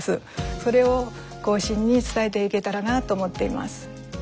それを後進に伝えていけたらなと思っています。